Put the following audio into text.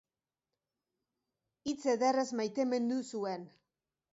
Hitz ederrez maitemindu zuen.